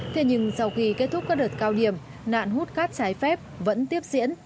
thế nhưng sau khi kết thúc các đợt cao điểm nạn hút cát trái phép vẫn tiếp diễn